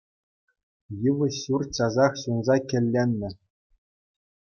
Йывӑҫ ҫурт часах ҫунса кӗлленнӗ.